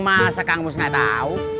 masa kang mus gak tau